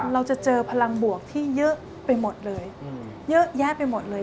เราจะเจอพลังบวกที่เยอะไปหมดเลยเยอะแยะไปหมดเลย